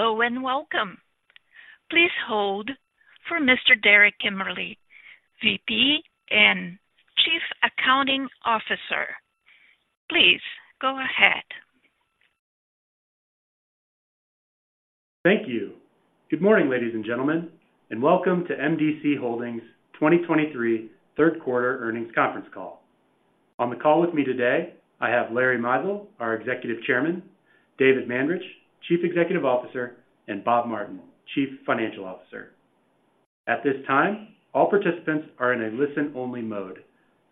Hello and welcome! Please hold for Mr. Derek Kimmerle, VP and Chief Accounting Officer. Please go ahead. Thank you. Good morning, ladies and gentlemen, and welcome to M.D.C. Holdings 2023 Q3 earnings conference call. On the call with me today, I have Larry Mizel, our Executive Chairman, David Mandarich, Chief Executive Officer, and Bob Martin, Chief Financial Officer. At this time, all participants are in a listen-only mode.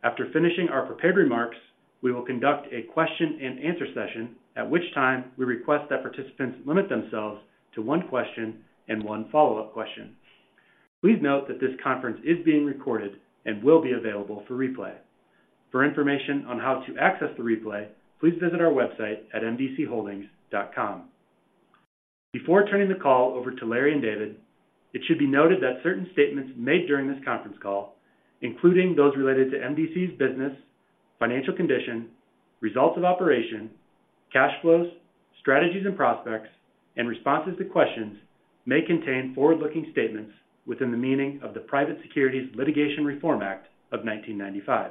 After finishing our prepared remarks, we will conduct a question-and-answer session, at which time we request that participants limit themselves to one question and one follow-up question. Please note that this conference is being recorded and will be available for replay. For information on how to access the replay, please visit our website at mdcholdings.com. Before turning the call over to Larry and David, it should be noted that certain statements made during this conference call, including those related to MDC's business, financial condition, results of operation, cash flows, strategies and prospects, and responses to questions, may contain forward-looking statements within the meaning of the Private Securities Litigation Reform Act of 1995.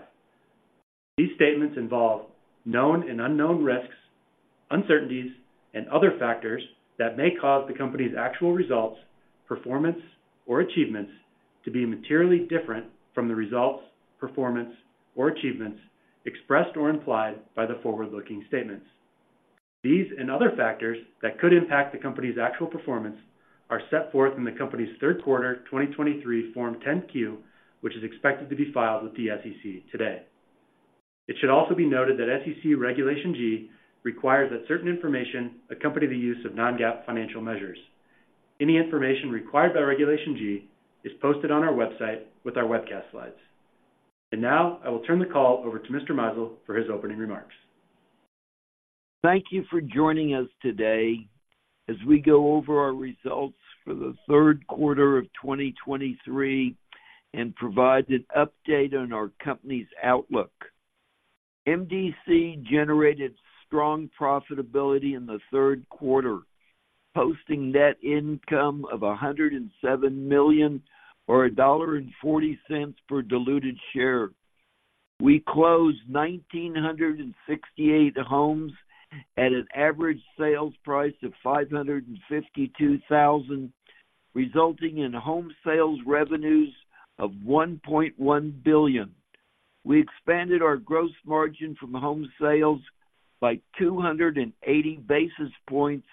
These statements involve known and unknown risks, uncertainties, and other factors that may cause the company's actual results, performance, or achievements to be materially different from the results, performance, or achievements expressed or implied by the forward-looking statements. These and other factors that could impact the company's actual performance are set forth in the company's Q3 2023 Form 10-Q, which is expected to be filed with the SEC today. It should also be noted that SEC Regulation G requires that certain information accompany the use of non-GAAP financial measures. Any information required by Regulation G is posted on our website with our webcast slides. Now, I will turn the call over to Mr. Mizel for his opening remarks. Thank you for joining us today as we go over our results for the Q3 of 2023 and provide an update on our company's outlook. MDC generated strong profitability in the Q3, posting net income of $107 million, or $1.40 per diluted share. We closed 1,968 homes at an average sales price of $552,000, resulting in home sales revenues of $1.1 billion. We expanded our gross margin from home sales by 280 basis points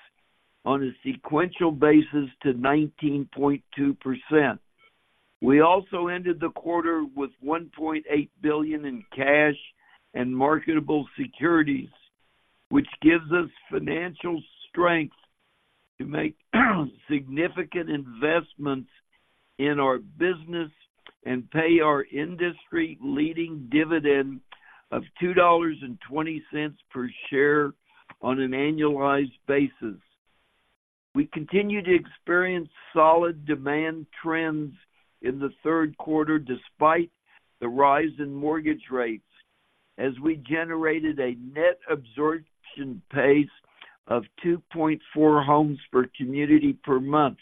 on a sequential basis to 19.2%. We also ended the quarter with $1.8 billion in cash and marketable securities, which gives us financial strength to make significant investments in our business and pay our industry-leading dividend of $2.20 per share on an annualized basis. We continue to experience solid demand trends in the Q3, despite the rise in mortgage rates, as we generated a net absorption pace of 2.4 homes per community per month.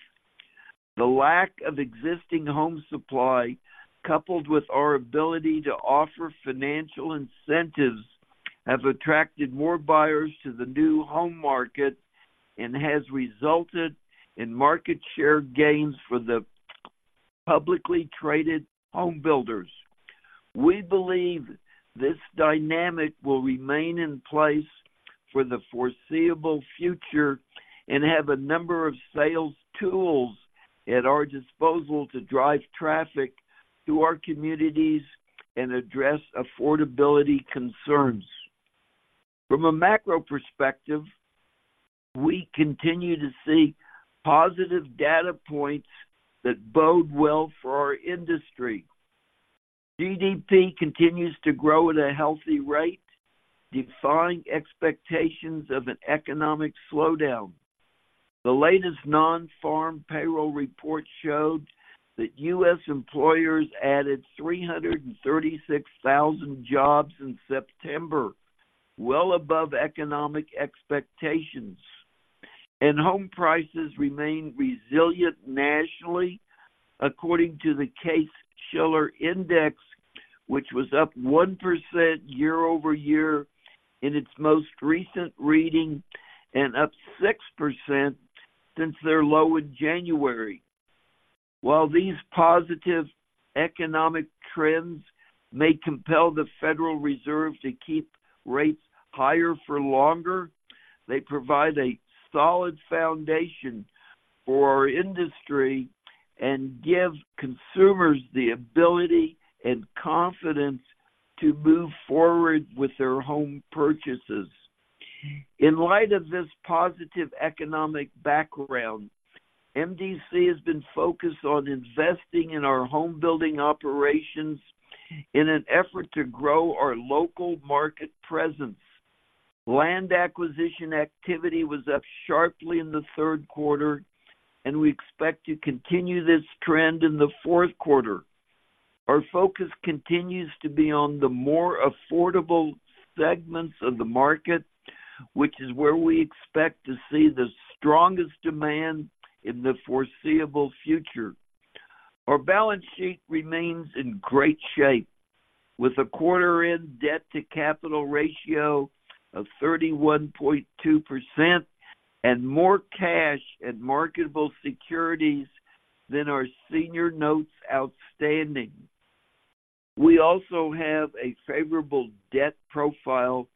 The lack of existing home supply, coupled with our ability to offer financial incentives, have attracted more buyers to the new home market and has resulted in market share gains for the publicly traded home builders. We believe this dynamic will remain in place for the foreseeable future and have a number of sales tools at our disposal to drive traffic to our communities and address affordability concerns. From a macro perspective, we continue to see positive data points that bode well for our industry. GDP continues to grow at a healthy rate, defying expectations of an economic slowdown. The latest non-farm payroll report showed that U.S. employers added 336,000 jobs in September, well above economic expectations, and home prices remain resilient nationally, according to the Case-Shiller Index, which was up 1% year-over-year in its most recent reading and up 6% since their low in January. While these positive economic trends may compel the Federal Reserve to keep rates higher for longer, they provide a solid foundation for our industry and give consumers the ability and confidence to move forward with their home purchases. In light of this positive economic background, MDC has been focused on investing in our home building operations in an effort to grow our local market presence. Land acquisition activity was up sharply in the Q3, and we expect to continue this trend in the Q4.... Our focus continues to be on the more affordable segments of the market, which is where we expect to see the strongest demand in the foreseeable future. Our balance sheet remains in great shape, with a quarter-end debt-to-capital ratio of 31.2% and more cash and marketable securities than our senior notes outstanding. We also have a favorable debt profile,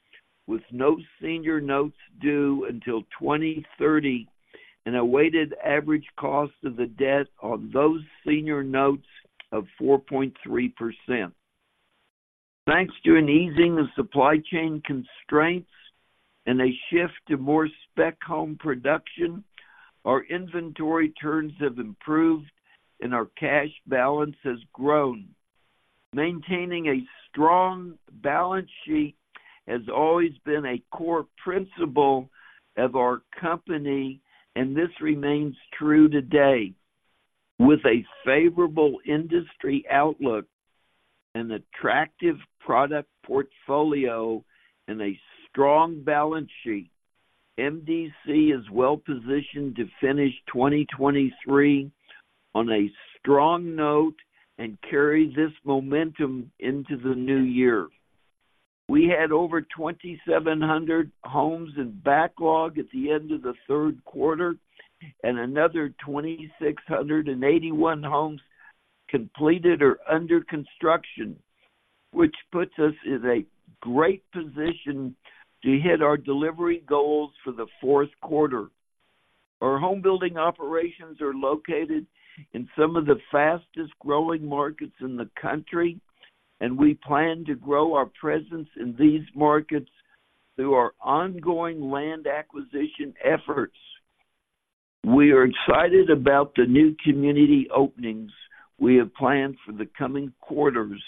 with no senior notes due until 2030, and a weighted average cost of the debt on those senior notes of 4.3%. Thanks to an easing of supply chain constraints and a shift to more spec home production, our inventory turns have improved and our cash balance has grown. Maintaining a strong balance sheet has always been a core principle of our company, and this remains true today. With a favorable industry outlook, an attractive product portfolio, and a strong balance sheet, MDC is well-positioned to finish 2023 on a strong note and carry this momentum into the new year. We had over 2,700 homes in backlog at the end of the Q3, and another 2,681 homes completed or under construction, which puts us in a great position to hit our delivery goals for the Q4. Our home building operations are located in some of the fastest-growing markets in the country, and we plan to grow our presence in these markets through our ongoing land acquisition efforts. We are excited about the new community openings we have planned for the coming quarters,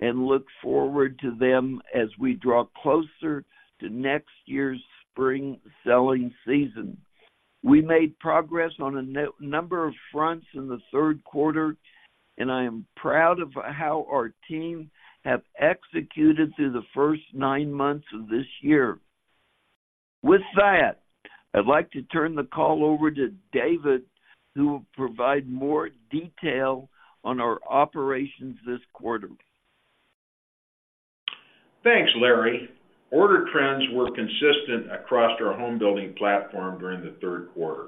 and look forward to them as we draw closer to next year's spring selling season. We made progress on a number of fronts in the Q3, and I am proud of how our team have executed through the first nine months of this year. With that, I'd like to turn the call over to David, who will provide more detail on our operations this quarter. Thanks, Larry. Order trends were consistent across our homebuilding platform during the Q3,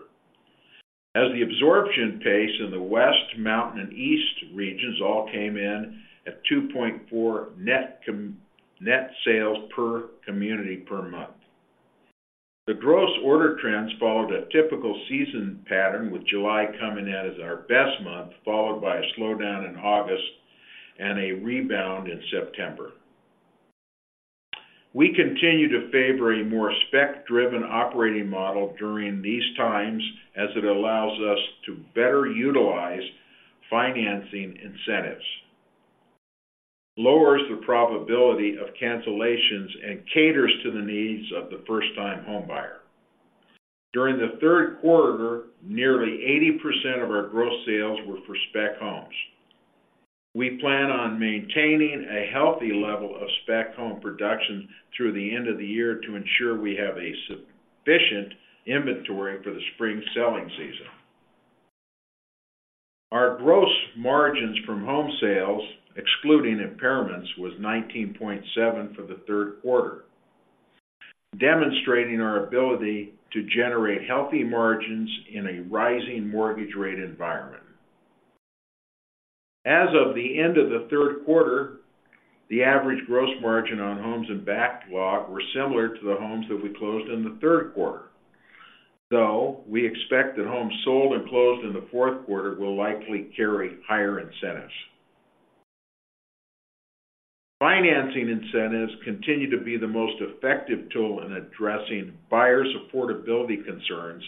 as the absorption pace in the West, Mountain, and East regions all came in at 2.4 net sales per community per month. The gross order trends followed a typical seasonal pattern, with July coming in as our best month, followed by a slowdown in August and a rebound in September. We continue to favor a more spec-driven operating model during these times, as it allows us to better utilize financing incentives, lowers the probability of cancellations, and caters to the needs of the first-time homebuyer. During the Q3, nearly 80% of our gross sales were for spec homes. We plan on maintaining a healthy level of spec home production through the end of the year to ensure we have a sufficient inventory for the spring selling season. Our gross margins from home sales, excluding impairments, was 19.7% for the Q3, demonstrating our ability to generate healthy margins in a rising mortgage rate environment. As of the end of the Q3, the average gross margin on homes in backlog were similar to the homes that we closed in the Q3, though we expect that homes sold and closed in the Q4 will likely carry higher incentives. Financing incentives continue to be the most effective tool in addressing buyers' affordability concerns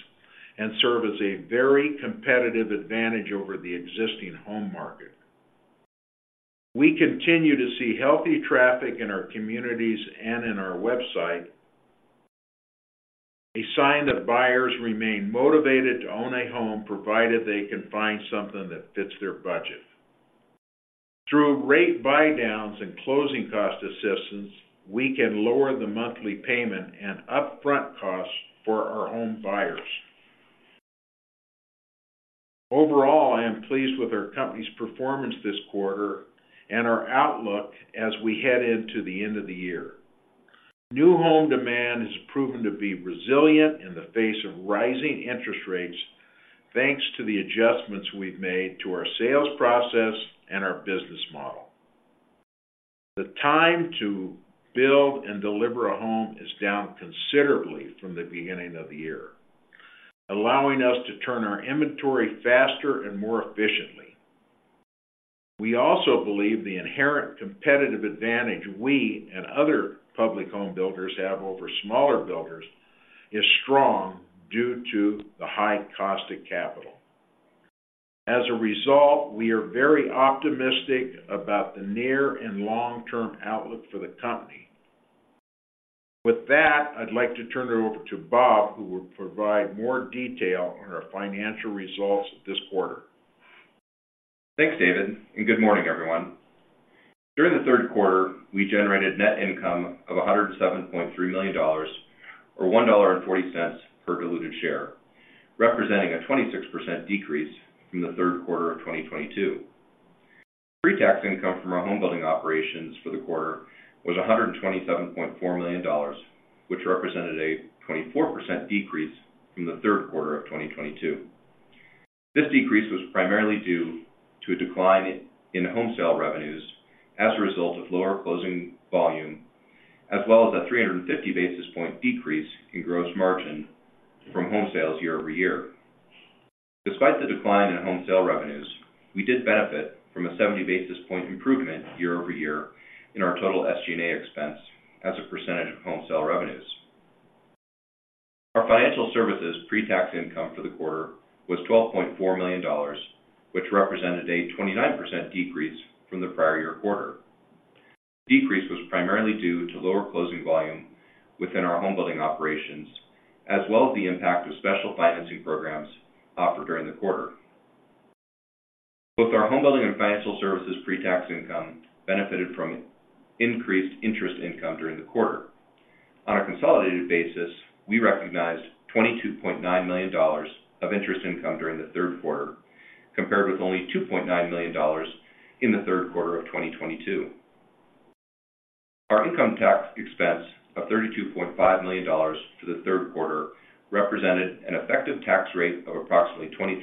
and serve as a very competitive advantage over the existing home market. We continue to see healthy traffic in our communities and in our website, a sign that buyers remain motivated to own a home, provided they can find something that fits their budget. Through rate buydowns and closing cost assistance, we can lower the monthly payment and upfront costs for our home buyers. Overall, I am pleased with our company's performance this quarter and our outlook as we head into the end of the year. New home demand has proven to be resilient in the face of rising interest rates, thanks to the adjustments we've made to our sales process and our business model. The time to build and deliver a home is down considerably from the beginning of the year, allowing us to turn our inventory faster and more efficiently. We also believe the inherent competitive advantage we and other public home builders have over smaller builders is strong due to the high cost of capital. As a result, we are very optimistic about the near and long-term outlook for the company. With that, I'd like to turn it over to Bob, who will provide more detail on our financial results this quarter. Thanks, David, and good morning, everyone. During the Q3, we generated net income of $107.3 million or $1.40 per diluted share, representing a 26% decrease from the Q3 of 2022. Pre-tax income from our home building operations for the quarter was $127.4 million, which represented a 24% decrease from the Q3 of 2022. This decrease was primarily due to a decline in home sale revenues as a result of lower closing volume, as well as a 350 basis point decrease in gross margin from home sales year-over-year. Despite the decline in home sale revenues, we did benefit from a 70 basis point improvement year-over-year in our total SG&A expense as a percentage of home sale revenues. Our financial services pre-tax income for the quarter was $12.4 million, which represented a 29% decrease from the prior year quarter. Decrease was primarily due to lower closing volume within our home building operations, as well as the impact of special financing programs offered during the quarter. Both our home building and financial services pre-tax income benefited from increased interest income during the quarter. On a consolidated basis, we recognized $22.9 million of interest income during the Q3, compared with only $2.9 million in the Q3 of 2022. Our income tax expense of $32.5 million for the Q3 represented an effective tax rate of approximately 23%,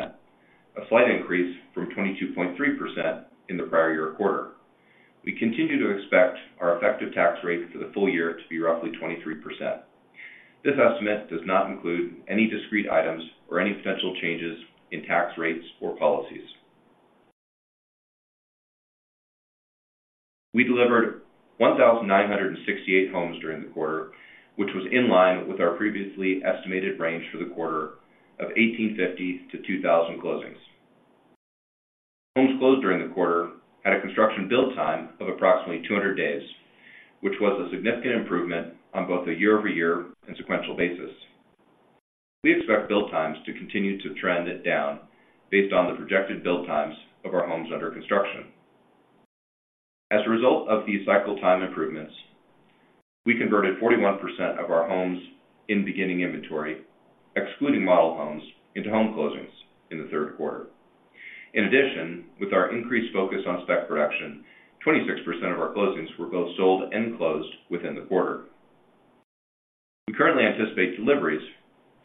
a slight increase from 22.3% in the prior year quarter. We continue to expect our effective tax rate for the full year to be roughly 23%. This estimate does not include any discrete items or any potential changes in tax rates or policies. We delivered 1,968 homes during the quarter, which was in line with our previously estimated range for the quarter of 1,850-2,000 closings. Homes closed during the quarter had a construction build time of approximately 200 days, which was a significant improvement on both a year-over-year and sequential basis. We expect build times to continue to trend down based on the projected build times of our homes under construction. As a result of these cycle time improvements, we converted 41% of our homes in beginning inventory, excluding model homes, into home closings in the Q3. In addition, with our increased focus on spec production, 26% of our closings were both sold and closed within the quarter. We currently anticipate deliveries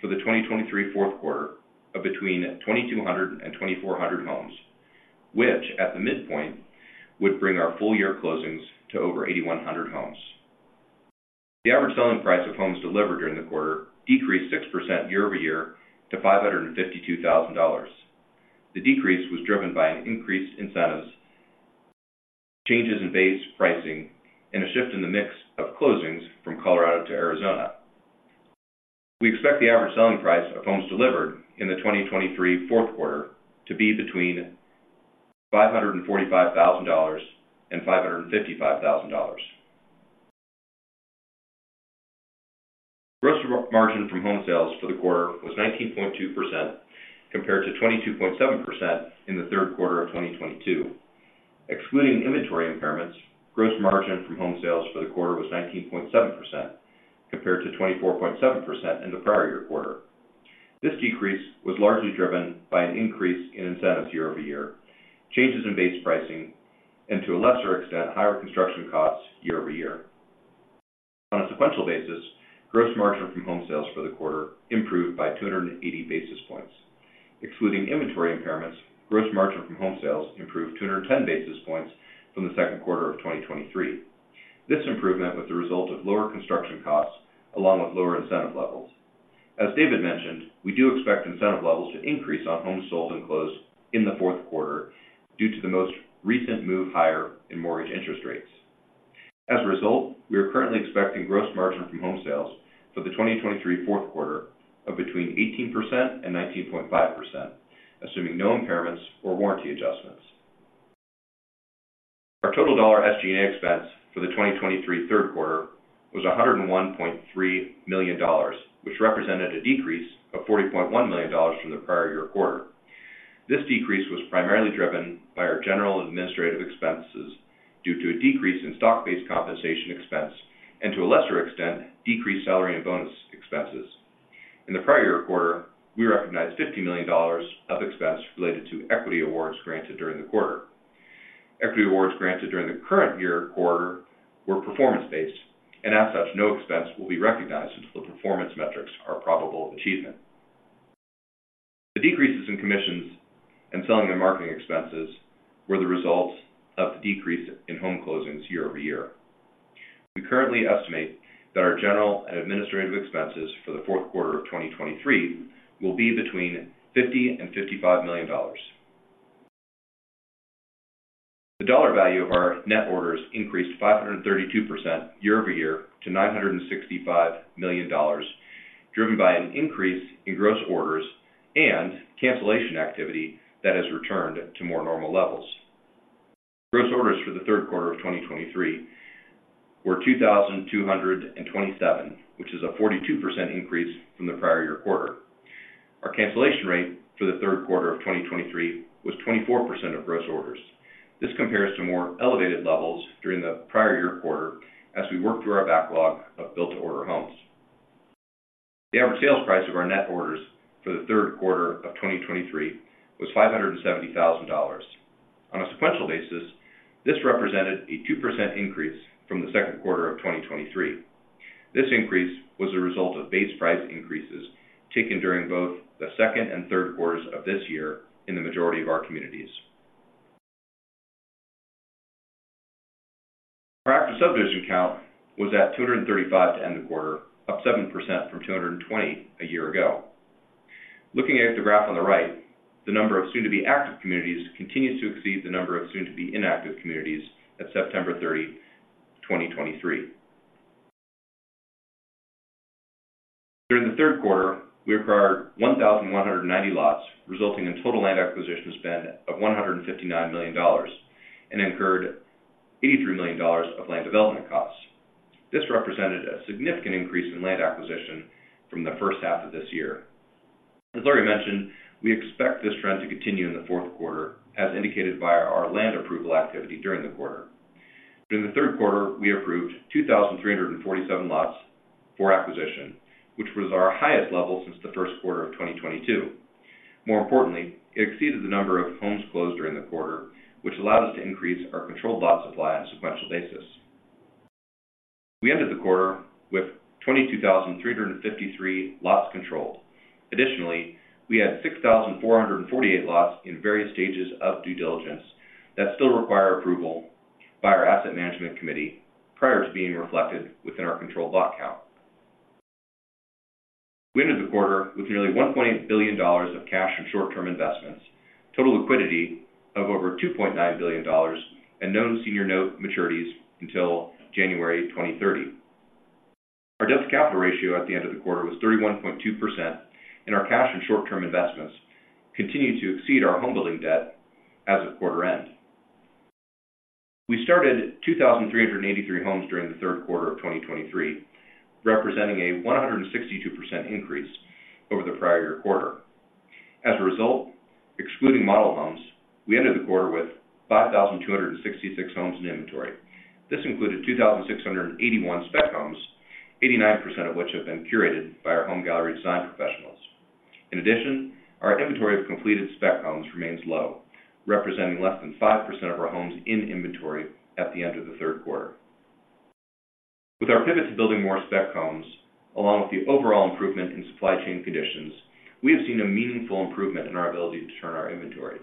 for the 2023 Q4 of between 2,200 and 2,400 homes, which, at the midpoint, would bring our full-year closings to over 8,100 homes. The average selling price of homes delivered during the quarter decreased 6% year-over-year to $552,000. The decrease was driven by increased incentives, changes in base pricing, and a shift in the mix of closings from Colorado to Arizona. We expect the average selling price of homes delivered in the 2023 Q4 to be between $545,000-$555,000. Gross margin from home sales for the quarter was 19.2%, compared to 22.7% in the Q3 of 2022. Excluding inventory impairments, gross margin from home sales for the quarter was 19.7%, compared to 24.7% in the prior year quarter. This decrease was largely driven by an increase in incentives year over year, changes in base pricing, and to a lesser extent, higher construction costs year over year. On a sequential basis, gross margin from home sales for the quarter improved by 280 basis points. Excluding inventory impairments, gross margin from home sales improved 210 basis points from the Q2. As David mentioned, we do expect incentive levels to increase on homes sold and closed in the Q4 due to the most recent move higher in mortgage interest rates. As a result, we are currently expecting gross margin from home sales for the 2023 Q4 of between 18% and 19.5%, assuming no impairments or warranty adjustments. Our total dollar SG&A expense for the 2023 Q3 was $101.3 million, which represented a decrease of $40.1 million from the prior year quarter. This decrease was primarily driven by our general administrative expenses due to a decrease in stock-based compensation expense and, to a lesser extent, decreased salary and bonus expenses. In the prior year quarter, we recognized $50 million of expense related to equity awards granted during the quarter. Equity awards granted during the current year quarter were performance-based, and as such, no expense will be recognized until the performance metrics are probable of achievement. The decreases in commissions and selling, general, and marketing expenses were the results of the decrease in home closings year-over-year. We currently estimate that our general and administrative expenses for the Q4 of 2023 will be between $50 million and $55 million. The dollar value of our net orders increased 532% year-over-year to $965 million, driven by an increase in gross orders and cancellation activity that has returned to more normal levels.... Gross orders for the Q3 of 2023 were 2,227, which is a 42% increase from the prior year quarter. Our cancellation rate for the Q3 of 2023 was 24% of gross orders. This compares to more elevated levels during the prior year quarter as we worked through our backlog of Build-to-Order homes. The average sales price of our net orders for the Q3 of 2023 was $570,000. On a sequential basis, this represented a 2% increase from the Q2 of 2023. This increase was a result of base price increases taken during both the second and Q3s of this year in the majority of our communities. Our active subdivision count was at 235 to end the quarter, up 7% from 220 a year ago. Looking at the graph on the right, the number of soon-to-be active communities continues to exceed the number of soon-to-be inactive communities at September 30, 2023. During the Q3, we acquired 1,190 lots, resulting in total land acquisition spend of $159 million and incurred $83 million of land development costs. This represented a significant increase in land acquisition from the first half of this year. As Larry mentioned, we expect this trend to continue in the Q4, as indicated by our land approval activity during the quarter. During the Q3, we approved 2,347 lots for acquisition, which was our highest level since the Q1 of 2022. More importantly, it exceeded the number of homes closed during the quarter, which allowed us to increase our controlled lot supply on a sequential basis. We ended the quarter with 22,053 lots controlled. Additionally, we had 6,448 lots in various stages of due diligence that still require approval by our Asset Management Committee prior to being reflected within our controlled lot count. We ended the quarter with nearly $1.8 billion of cash and short-term investments, total liquidity of over $2.9 billion, and no senior note maturities until January 2030. Our debt-to-capital ratio at the end of the quarter was 31.2%, and our cash and short-term investments continued to exceed our home building debt as of quarter end. We started 2,383 homes during the Q3 of 2023, representing a 162% increase over the prior year quarter. As a result, excluding model homes, we ended the quarter with 5,266 homes in inventory. This included 2,681 spec homes, 89% of which have been curated by our Home Gallery design professionals. In addition, our inventory of completed spec homes remains low, representing less than 5% of our homes in inventory at the end of the Q3. With our pivot to building more spec homes, along with the overall improvement in supply chain conditions, we have seen a meaningful improvement in our ability to turn our inventory.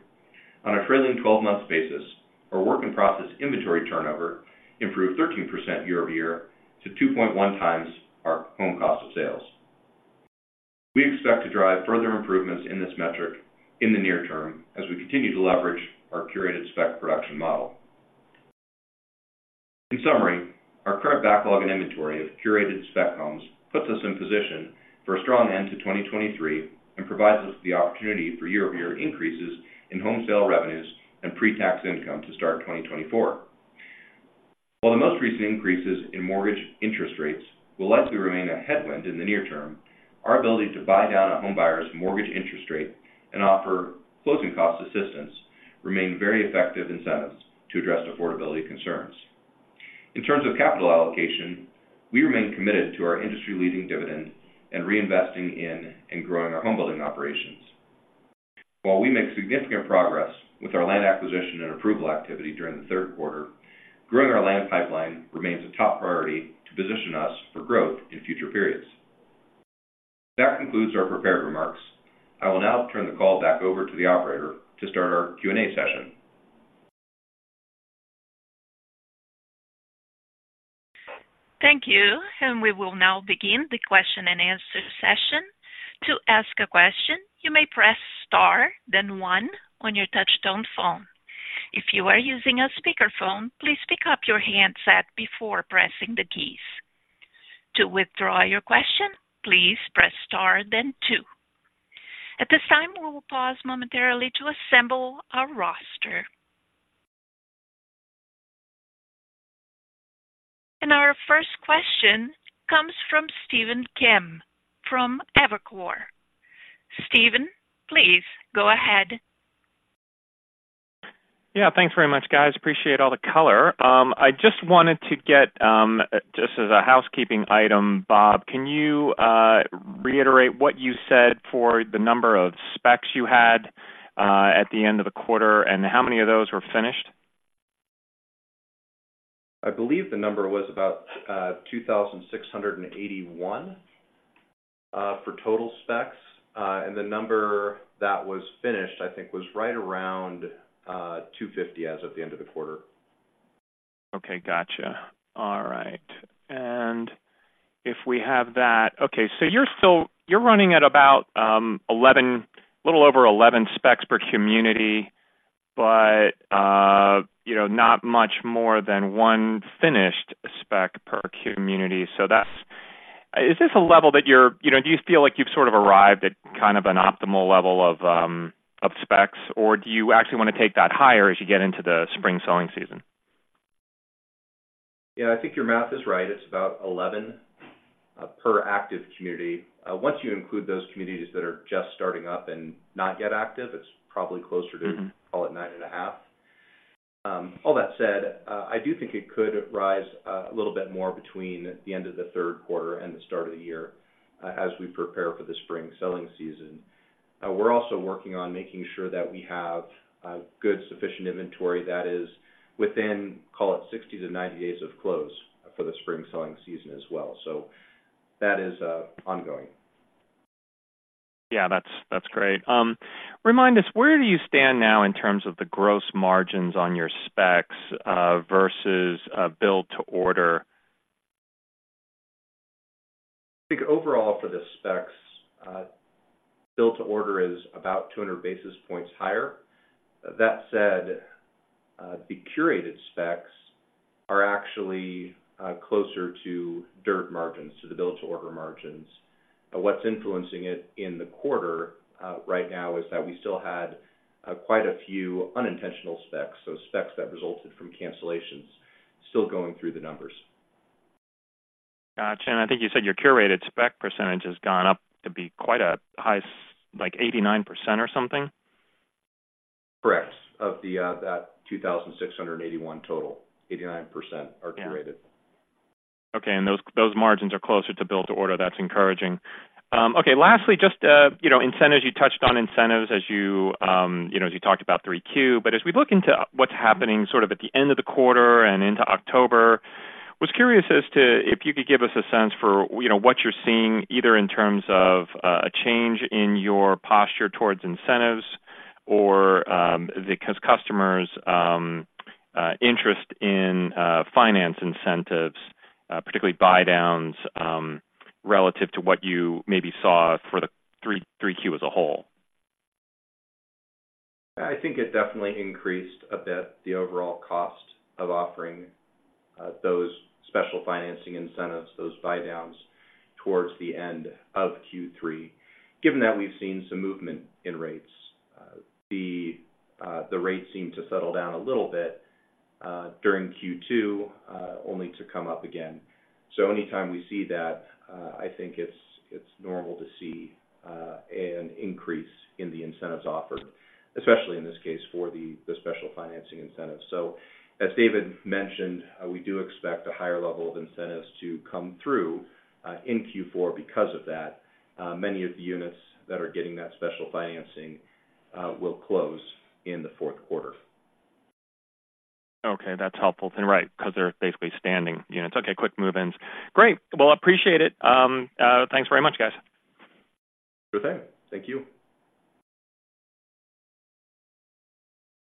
On a trailing twelve-month basis, our work in process inventory turnover improved 13% year-over-year to 2.1 times our home cost of sales. We expect to drive further improvements in this metric in the near term as we continue to leverage our curated spec production model. In summary, our current backlog and inventory of curated spec homes puts us in position for a strong end to 2023 and provides us the opportunity for year-over-year increases in home sale revenues and pre-tax income to start in 2024. While the most recent increases in mortgage interest rates will likely remain a headwind in the near term, our ability to buy down a homebuyer's mortgage interest rate and offer closing cost assistance remain very effective incentives to address affordability concerns. In terms of capital allocation, we remain committed to our industry-leading dividend and reinvesting in and growing our home building operations. While we make significant progress with our land acquisition and approval activity during the Q3, growing our land pipeline remains a top priority to position us for growth in future periods. That concludes our prepared remarks. I will now turn the call back over to the operator to start our Q&A session. Thank you, and we will now begin the question-and-answer session. To ask a question, you may press Star, then one on your touchtone phone. If you are using a speakerphone, please pick up your handset before pressing the keys. To withdraw your question, please press Star, then two. At this time, we will pause momentarily to assemble our roster. Our first question comes from Stephen Kim from Evercore. Stephen, please go ahead. Yeah, thanks very much, guys. Appreciate all the color. I just wanted to get, just as a housekeeping item, Bob, can you reiterate what you said for the number of specs you had at the end of the quarter, and how many of those were finished? I believe the number was about 2,681 for total specs. And the number that was finished, I think, was right around 250 as of the end of the quarter. Okay, gotcha. All right. If we have that... Okay, you're still-- you're running at about 11, little over 11 specs per community, but, you know, not much more than one finished spec per community. That's-... Is this a level that you're, you know, do you feel like you've sort of arrived at kind of an optimal level of, you know, specs? Or do you actually want to take that higher as you get into the spring selling season? Yeah, I think your math is right. It's about 11 per active community. Once you include those communities that are just starting up and not yet active, it's probably closer to- Mm-hmm. Call it 9.5. All that said, I do think it could rise a little bit more between the end of the Q3 and the start of the year, as we prepare for the spring selling season. We're also working on making sure that we have good sufficient inventory that is within, call it 60-90 days of close for the spring selling season as well. So that is ongoing. Yeah, that's, that's great. Remind us, where do you stand now in terms of the gross margins on your specs versus build-to-order? I think overall, for the specs, build-to-order is about 200 basis points higher. That said, the curated specs are actually closer to dirt margins, to the build-to-order margins. What's influencing it in the quarter, right now is that we still had quite a few unintentional specs, so specs that resulted from cancellations, still going through the numbers. Got you. And I think you said your curated spec percentage has gone up to be quite a high, like 89% or something? Correct. Of the 2,681 total, 89% are curated. Yeah. Okay, and those, those margins are closer to build-to-order. That's encouraging. Okay, lastly, just, you know, incentives. You touched on incentives as you, you know, as you talked about Q3. But as we look into what's happening sort of at the end of the quarter and into October, was curious as to if you could give us a sense for, you know, what you're seeing, either in terms of, a change in your posture towards incentives or, the customers, interest in, finance incentives, particularly buy downs, relative to what you maybe saw for the Q3 as a whole. I think it definitely increased a bit, the overall cost of offering those special financing incentives, those buy downs, towards the end of Q3, given that we've seen some movement in rates. The rates seem to settle down a little bit during Q2 only to come up again. So anytime we see that, I think it's normal to see an increase in the incentives offered, especially in this case, for the special financing incentives. So as David mentioned, we do expect a higher level of incentives to come through in Q4. Because of that, many of the units that are getting that special financing will close in the Q4. Okay, that's helpful. And right, because they're basically standing units. Okay, quick move-ins. Great. Well, appreciate it. Thanks very much, guys. Sure thing. Thank you.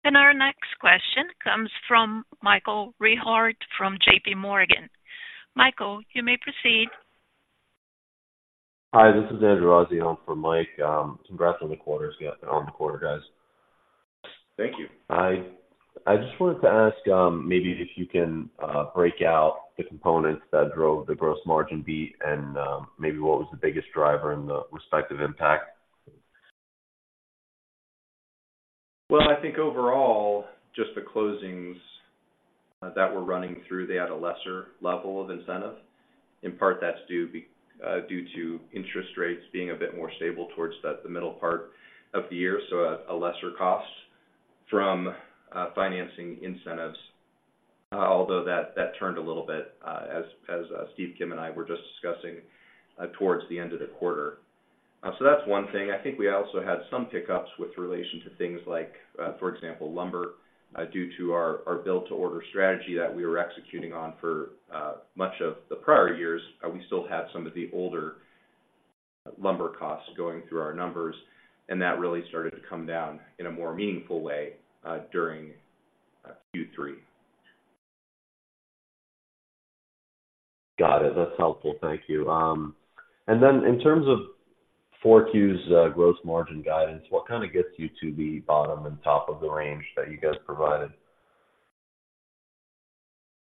Our next question comes from Michael Rehaut, from J.P. Morgan. Michael, you may proceed. Hi, this is Andrew Azzi in for Mike. Congrats on the quarters, guys, on the quarter, guys. Thank you. I just wanted to ask, maybe if you can break out the components that drove the gross margin beat and, maybe what was the biggest driver and the respective impact? Well, I think overall, just the closings that we're running through, they had a lesser level of incentive. In part, that's due to interest rates being a bit more stable towards the middle part of the year, so a lesser cost from financing incentives. Although, that turned a little bit, as Steve Kim and I were just discussing, towards the end of the quarter. That's one thing. I think we also had some hiccups with relation to things like, for example, lumber. Due to our build-to-order strategy that we were executing on for much of the prior years, we still had some of the older lumber costs going through our numbers, and that really started to come down in a more meaningful way during Q3. Got it. That's helpful. Thank you. And then in terms of Q4's, gross margin guidance, what kind of gets you to the bottom and top of the range that you guys provided?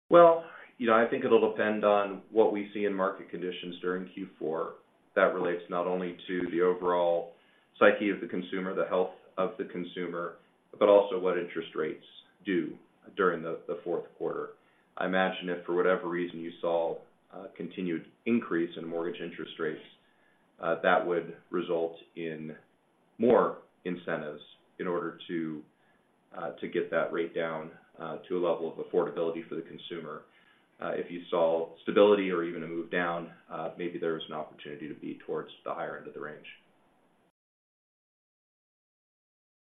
Well, you know, I think it'll depend on what we see in market conditions during Q4. That relates not only to the overall psyche of the consumer, the health of the consumer, but also what interest rates do during the Q4. I imagine if for whatever reason, you saw a continued increase in mortgage interest rates, that would result in more incentives in order to, to get that rate down, to a level of affordability for the consumer. If you saw stability or even a move down, maybe there was an opportunity to be towards the higher end of the range.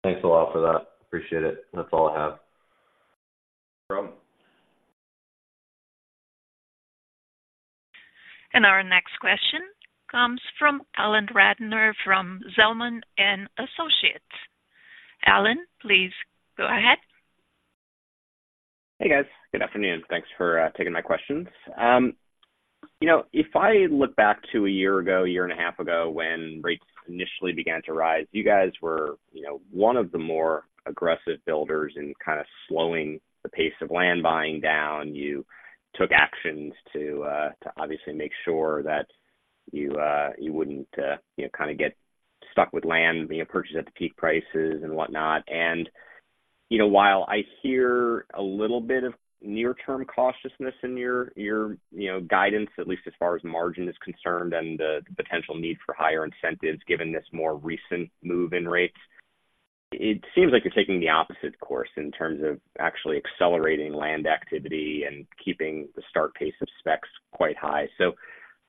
Thanks a lot for that. Appreciate it. That's all I have. No problem. Our next question comes from Alan Ratner from Zelman & Associates. Alan, please go ahead. Hey, guys. Good afternoon. Thanks for taking my questions. You know, if I look back to a year ago, a year and a half ago, when rates initially began to rise, you guys were, you know, one of the more aggressive builders in kind of slowing the pace of land buying down. You took actions to obviously make sure that you wouldn't, you know, kind of get stuck with land being purchased at the peak prices and whatnot. You know, while I hear a little bit of near-term cautiousness in your, you know, guidance, at least as far as margin is concerned, and the potential need for higher incentives, given this more recent move in rates, it seems like you're taking the opposite course in terms of actually accelerating land activity and keeping the start pace of specs quite high.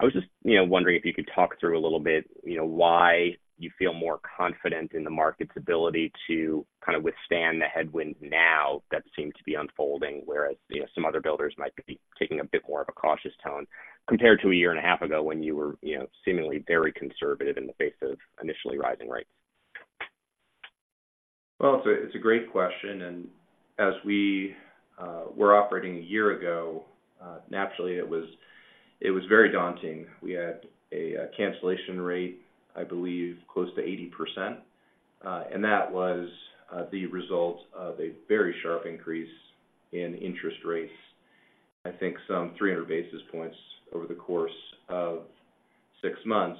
I was just, you know, wondering if you could talk through a little bit, you know, why you feel more confident in the market's ability to kind of withstand the headwinds now that seem to be unfolding, whereas, you know, some other builders might be taking a bit more of a cautious tone compared to a year and a half ago when you were, you know, seemingly very conservative in the face of initially rising rates? Well, it's a great question, and as we were operating a year ago, naturally, it was very daunting. We had a cancellation rate, I believe, close to 80%, and that was the result of a very sharp increase in interest rates. I think some 300 basis points over the course of six months.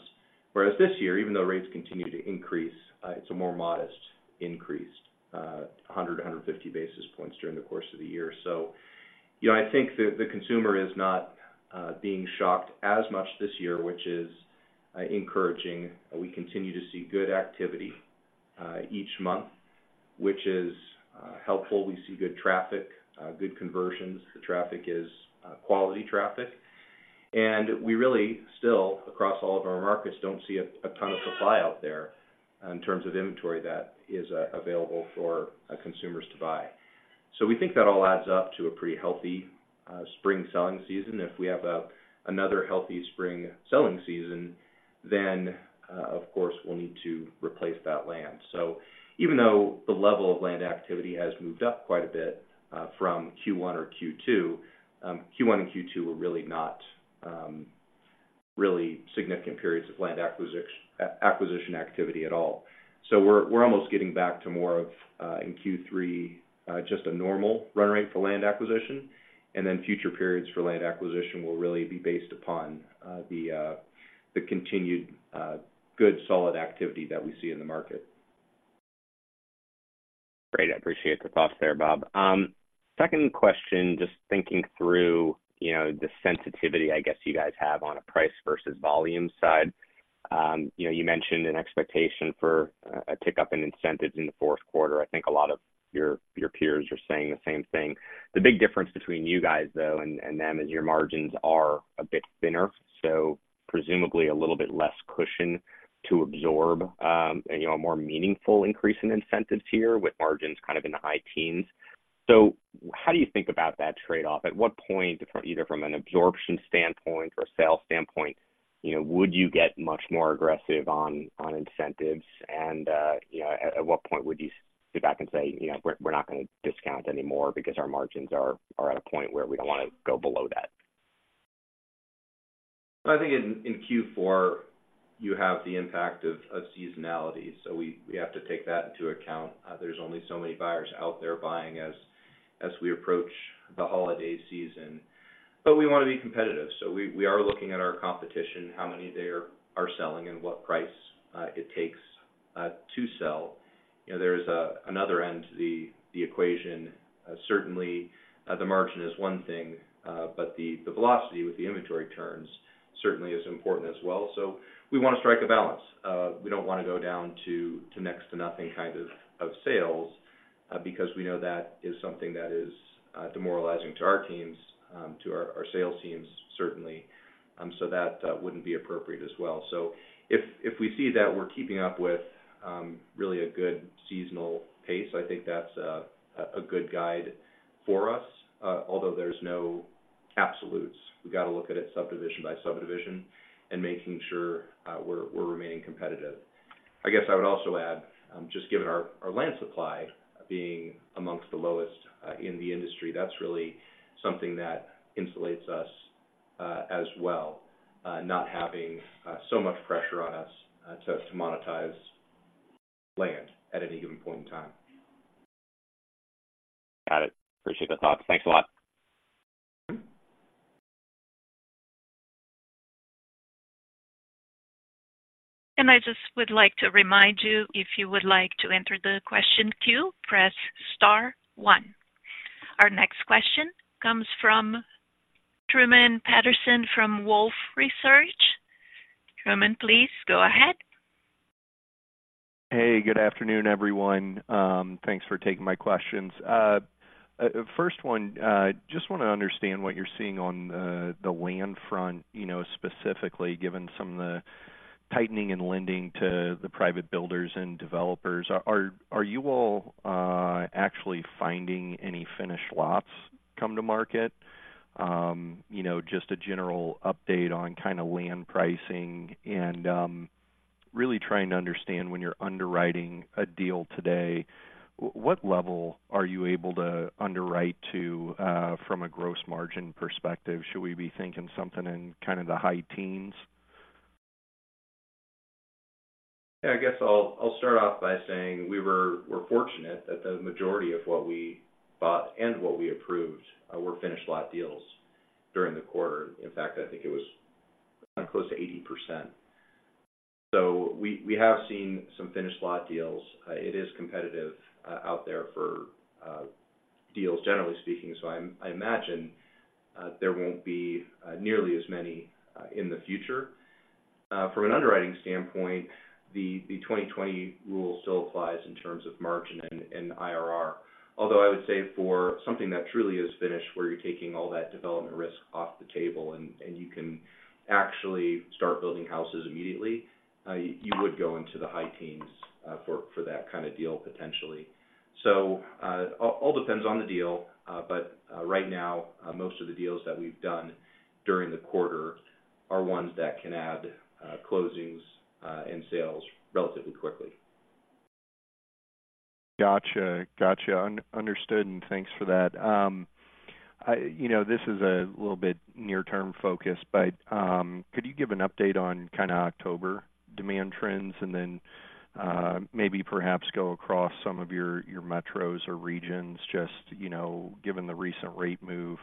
Whereas this year, even though rates continue to increase, it's a more modest increase, 100-150 basis points during the course of the year. You know, I think the consumer is not being shocked as much this year, which is encouraging. We continue to see good activity each month, which is helpful. We see good traffic, good conversions. The traffic is quality traffic. And we really still across all of our markets don't see a ton of supply out there in terms of inventory that is available for consumers to buy. So we think that all adds up to a pretty healthy spring selling season. If we have another healthy spring selling season, then of course we'll need to replace that land. So even though the level of land activity has moved up quite a bit from Q1 or Q2, Q1 and Q2 were really not really significant periods of land acquisition activity at all. We're almost getting back to more of, in Q3, just a normal run rate for land acquisition, and then future periods for land acquisition will really be based upon the continued good, solid activity that we see in the market. Great. I appreciate the thoughts there, Bob. Second question, just thinking through, you know, the sensitivity, I guess, you guys have on a price versus volume side. You know, you mentioned an expectation for a tick-up in incentives in the Q4. I think a lot of your, your peers are saying the same thing. The big difference between you guys, though, and, and them, is your margins are a bit thinner, so presumably a little bit less cushion to absorb, and, you know, a more meaningful increase in incentives here, with margins kind of in the high teens. So how do you think about that trade-off? At what point, either from an absorption standpoint or a sales standpoint, you know, would you get much more aggressive on, on incentives? You know, at what point would you sit back and say: You know, we're not going to discount anymore because our margins are at a point where we don't want to go below that. I think in Q4, you have the impact of seasonality, so we have to take that into account. There's only so many buyers out there buying as we approach the holiday season. But we want to be competitive, so we are looking at our competition, how many they are selling, and what price it takes to sell. You know, there's another end to the equation. Certainly, the margin is one thing, but the velocity with the inventory turns certainly is important as well. So we want to strike a balance. We don't want to go down to next to nothing kind of sales, because we know that is something that is demoralizing to our teams, to our sales teams, certainly. So that wouldn't be appropriate as well. So if we see that we're keeping up with really a good seasonal pace, I think that's a good guide for us. Although there's no absolutes, we've got to look at it subdivision by subdivision and making sure we're remaining competitive. I guess I would also add just given our land supply being amongst the lowest in the industry, that's really something that insulates us as well, not having so much pressure on us to monetize land at any given point in time. Got it. Appreciate the thoughts. Thanks a lot. Mm-hmm. I just would like to remind you, if you would like to enter the question queue, press star one. Our next question comes from Truman Patterson from Wolfe Research. Truman, please go ahead. Hey, good afternoon, everyone. Thanks for taking my questions. First one, just want to understand what you're seeing on the land front, you know, specifically, given some of the tightening in lending to the private builders and developers. Are you all actually finding any finished lots come to market? You know, just a general update on kind of land pricing and really trying to understand when you're underwriting a deal today, what level are you able to underwrite to from a gross margin perspective? Should we be thinking something in kind of the high teens? Yeah, I guess I'll start off by saying we're fortunate that the majority of what we bought and what we approved were finished lot deals during the quarter. In fact, I think it was close to 80%. So we have seen some finished lot deals. It is competitive out there for deals, generally speaking, so I imagine there won't be nearly as many in the future. From an underwriting standpoint, the 20/20 rule still applies in terms of margin and IRR. Although I would say for something that truly is finished, where you're taking all that development risk off the table and you can actually start building houses immediately, you would go into the high teens for that kind of deal, potentially. So, all depends on the deal, but right now, most of the deals that we've done during the quarter are ones that can add closings and sales relatively quickly. Gotcha. Gotcha. Understood, and thanks for that. You know, this is a little bit near-term focused, but could you give an update on kind of October demand trends? And then, maybe perhaps go across some of your metros or regions, just, you know, given the recent rate move,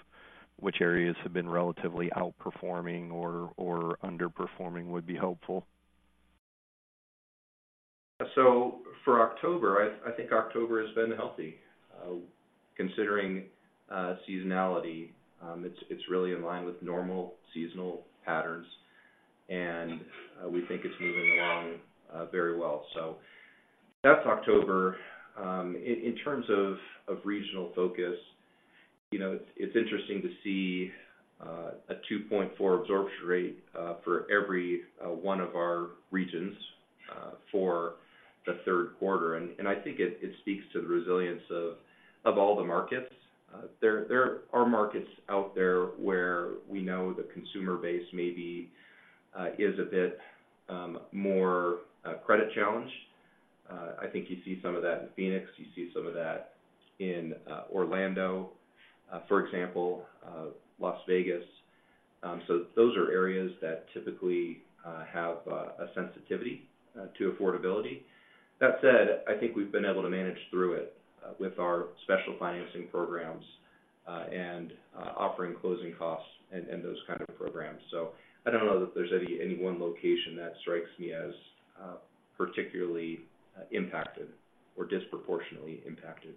which areas have been relatively outperforming or underperforming would be helpful. So for October, I think October has been healthy. Considering seasonality, it's really in line with normal seasonal patterns, and we think it's moving along very well. So that's October. In terms of regional focus, you know, it's interesting to see a 2.4 absorption rate for every one of our regions for the Q3. And I think it speaks to the resilience of all the markets. There are markets out there where we know the consumer base maybe is a bit more credit-challenged. I think you see some of that in Phoenix. You see some of that in Orlando, for example, Las Vegas. So those are areas that typically have a sensitivity to affordability. That said, I think we've been able to manage through it with our special financing programs and offering closing costs and those kind of programs. So I don't know that there's any one location that strikes me as particularly impacted or disproportionately impacted.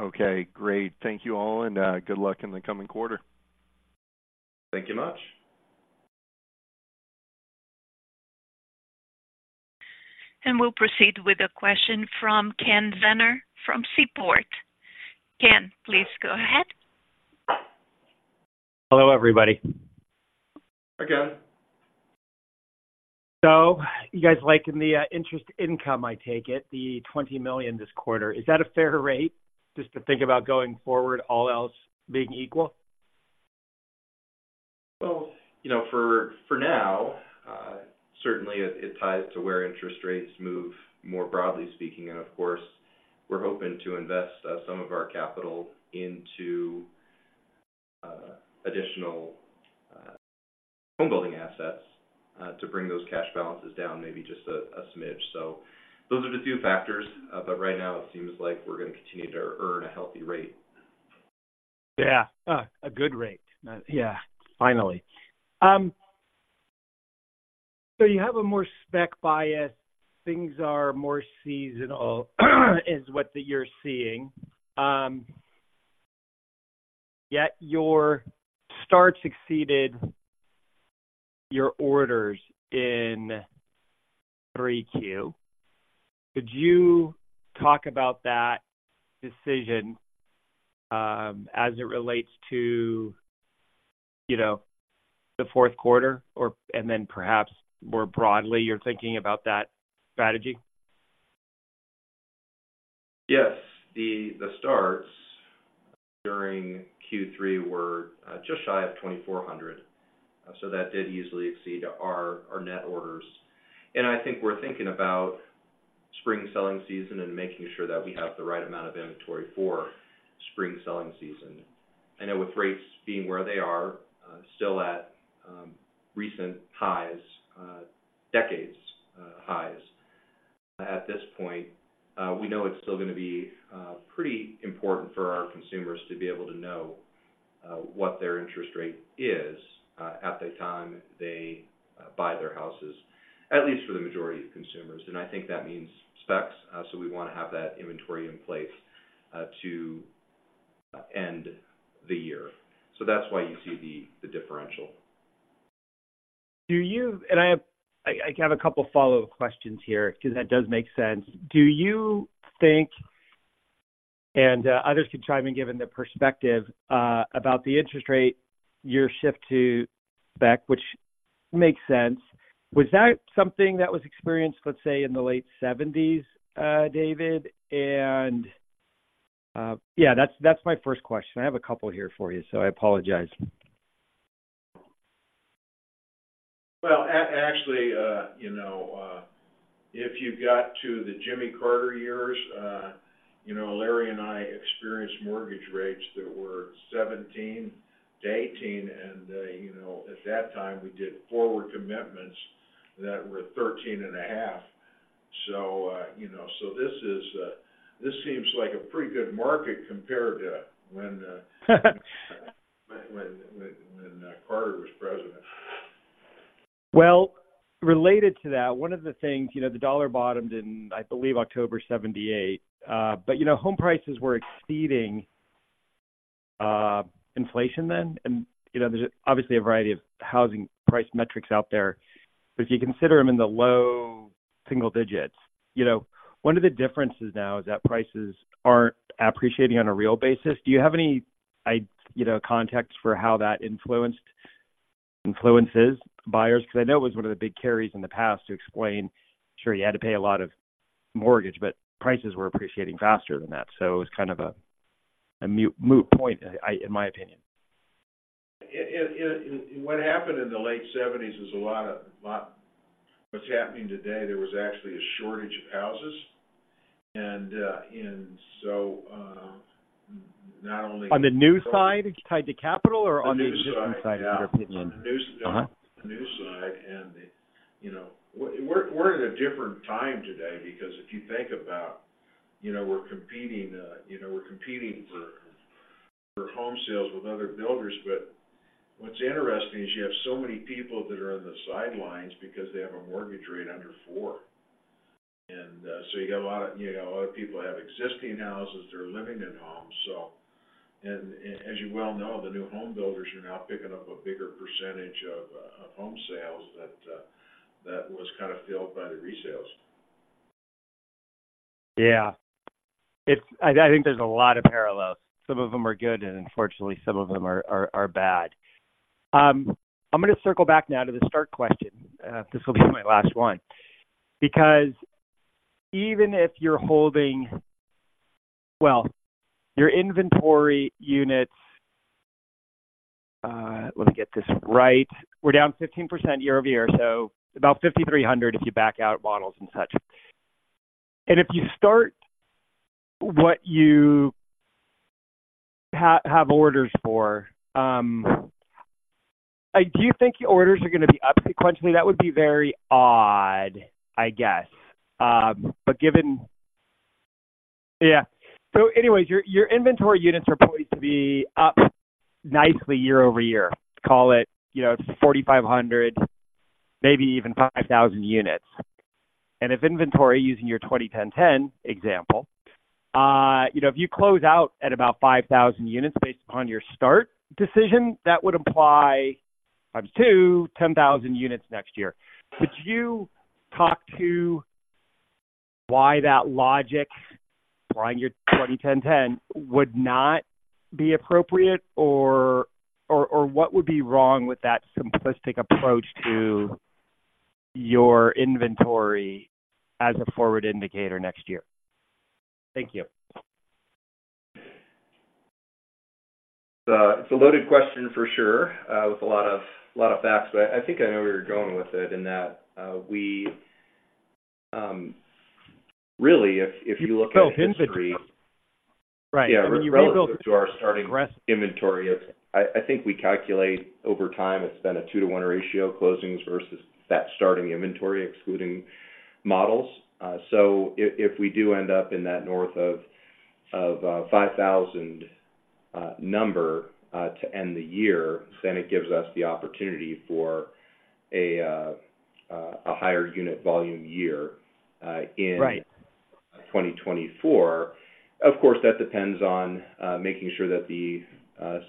Okay, great. Thank you all, and, good luck in the coming quarter. Thank you much. We'll proceed with a question from Ken Zener from Seaport. Ken, please go ahead. Hello, everybody. Hi, Ken. You guys liked in the interest income, I take it, the $20 million this quarter. Is that a fair rate just to think about going forward, all else being equal? Well, you know, for now, certainly it ties to where interest rates move, more broadly speaking. And of course, we're hoping to invest some of our capital into additional homebuilding assets to bring those cash balances down, maybe just a smidge. So those are the two factors, but right now, it seems like we're going to continue to earn a healthy rate. Yeah, a good rate. Yeah, finally. So you have a more spec bias. Things are more seasonal, is what you're seeing. Yet your starts exceeded your orders in Q3. Could you talk about that decision, as it relates to, you know, the Q4 or... and then perhaps more broadly, you're thinking about that strategy? Yes. The starts during Q3 were just shy of 2,400, so that did easily exceed our net orders. And I think we're thinking about spring selling season and making sure that we have the right amount of inventory for spring selling season. I know with rates being where they are, still at recent highs, decade highs at this point, we know it's still gonna be pretty important for our consumers to be able to know what their interest rate is at the time they buy their houses, at least for the majority of consumers. And I think that means specs. So we want to have that inventory in place to end the year. So that's why you see the differential. I have a couple follow-up questions here, because that does make sense. Do you think, and others can chime in, given their perspective, about the interest rate, your shift to spec, which makes sense, was that something that was experienced, let's say, in the late seventies, David? Yeah, that's my first question. I have a couple here for you, so I apologize. Well, actually, you know, if you got to the Jimmy Carter years, you know, Larry and I experienced mortgage rates that were 17% - 18%, and, you know, at that time, we did forward commitments that were 13.5%... So, you know, so this is, this seems like a pretty good market compared to when Carter was president. Well, related to that, one of the things, you know, the dollar bottomed in, I believe, October 1978. But, you know, home prices were exceeding inflation then. And, you know, there's obviously a variety of housing price metrics out there. But if you consider them in the low single digits, you know, one of the differences now is that prices aren't appreciating on a real basis. Do you have any, you know, context for how that influences buyers? Because I know it was one of the big carries in the past to explain. Sure, you had to pay a lot of mortgage, but prices were appreciating faster than that, so it was kind of a moot point, in my opinion. What happened in the late seventies was a lot of what's happening today, there was actually a shortage of houses. And so, not only- On the new side, tied to capital or on the existing side, in your opinion? On the new side. You know, we're in a different time today, because if you think about, you know, we're competing for home sales with other builders. But what's interesting is you have so many people that are on the sidelines because they have a mortgage rate under four. So you got a lot of, you know, a lot of people have existing houses. They're living in homes, so... And as you well know, the new home builders are now picking up a bigger percentage of home sales than that was kind of filled by the resales. Yeah. It's-- I think there's a lot of parallels. Some of them are good, and unfortunately, some of them are bad. I'm going to circle back now to the start question. This will be my last one. Because even if you're holding... Well, your inventory units, let me get this right. We're down 15% year-over-year, so about 5,300, if you back out models and such. And if you start what you have orders for, do you think your orders are going to be up sequentially? That would be very odd, I guess. But given-- Yeah. So anyways, your inventory units are poised to be up nicely year-over-year. Call it, you know, 4,500, maybe even 5,000 units. If inventory, using your 20-10-10 example, you know, if you close out at about 5,000 units based upon your start decision, that would imply times two, 10,000 units next year. Could you talk to why that logic, applying your 20-10-10, would not be appropriate, or, or, or what would be wrong with that simplistic approach to your inventory as a forward indicator next year? Thank you. It's a loaded question for sure, with a lot of, a lot of facts, but I think I know where you're going with it in that, we really, if, if you look at history- Right. Yeah, relative to our starting inventory, it's, I think we calculate over time, it's been a 2-to-1 ratio, closings versus that starting inventory, excluding models. So if we do end up in that north of 5,000 number to end the year, then it gives us the opportunity for a higher unit volume year in- Right... 2024. Of course, that depends on making sure that the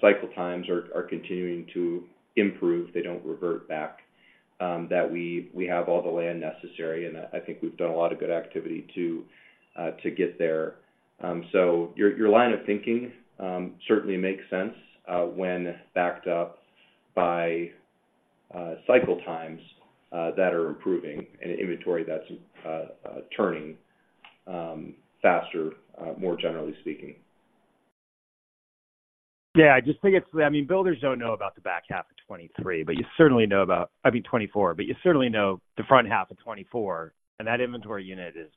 cycle times are continuing to improve, they don't revert back. That we have all the land necessary, and I think we've done a lot of good activity to get there. So your line of thinking certainly makes sense when backed up by cycle times that are improving and inventory that's turning faster, more generally speaking. Yeah, I just think it's, I mean, builders don't know about the back half of 2023, but you certainly know about, I mean, 2024, but you certainly know the front half of 2024, and that inventory unit is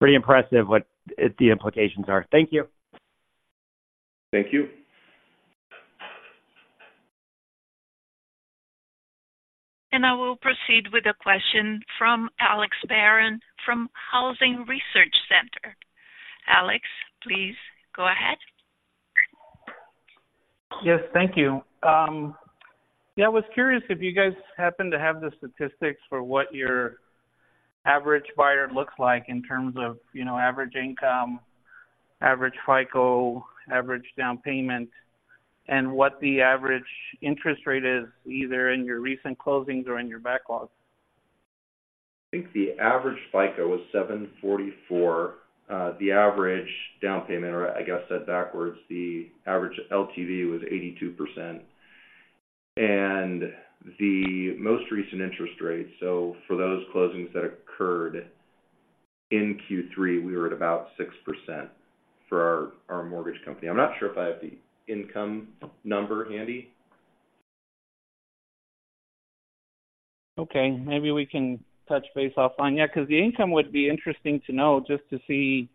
pretty impressive, what the implications are. Thank you. Thank you. I will proceed with a question from Alex Barron, from Housing Research Center. Alex, please go ahead. Yes, thank you. Yeah, I was curious if you guys happen to have the statistics for what your average buyer looks like in terms of, you know, average income, average FICO, average down payment, and what the average interest rate is, either in your recent closings or in your backlog? I think the average FICO was 744. The average down payment, or I guess, said backwards, the average LTV was 82%. And the most recent interest rate, so for those closings that occurred in Q3, we were at about 6% for our mortgage company. I'm not sure if I have the income number handy. Okay. Maybe we can touch base offline. Yeah, because the income would be interesting to know, just to see,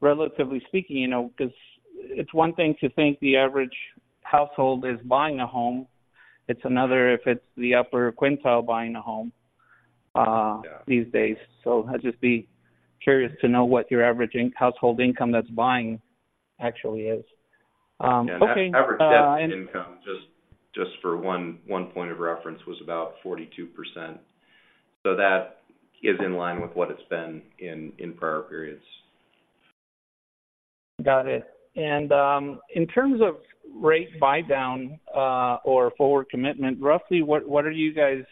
relatively speaking, you know, because it's one thing to think the average household is buying a home. It's another if it's the upper quintile buying a home. Yeah. these days. So I'd just be curious to know what your average household income that's buying actually is. Average debt income, just for one point of reference, was about 42%. So that is in line with what it's been in prior periods. Got it. In terms of rate buydown or forward commitment, roughly what are you guys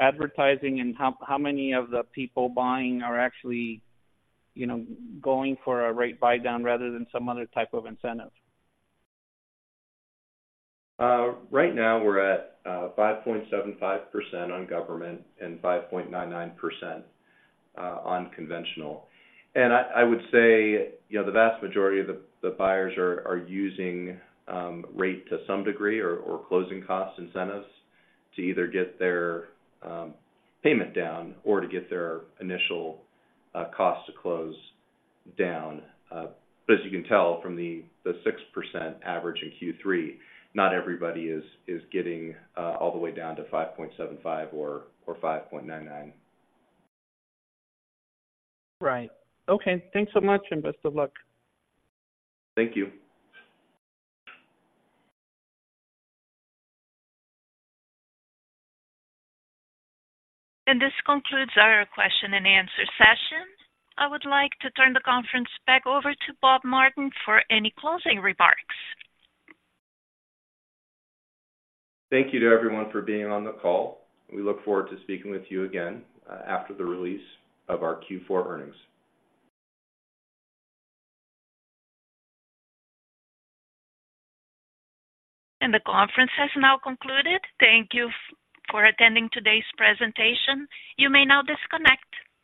advertising, and how many of the people buying are actually, you know, going for a rate buydown rather than some other type of incentive? Right now we're at 5.75% on government and 5.99% on conventional. And I would say, you know, the vast majority of the buyers are using rate to some degree or closing cost incentives to either get their payment down or to get their initial cost to close down. But as you can tell from the 6% average in Q3, not everybody is getting all the way down to 5.75% or 5.99%. Right. Okay. Thanks so much, and best of luck. Thank you. This concludes our question and answer session. I would like to turn the conference back over to Bob Martin for any closing remarks. Thank you to everyone for being on the call. We look forward to speaking with you again, after the release of our Q4 earnings. The conference has now concluded. Thank you for attending today's presentation. You may now disconnect.